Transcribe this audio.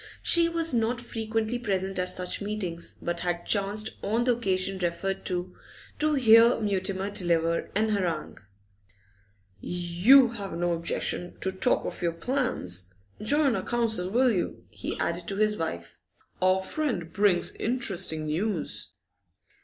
She was not frequently present at such meetings, but had chanced, on the occasion referred to, to hear Mutimer deliver an harangue. 'You have no objection to talk of your plans? Join our council, will you?' he added to his wife. 'Our friend brings interesting news.